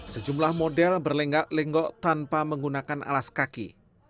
sejumlah model berlenggak lenggok tanpa menggunakan alas kaki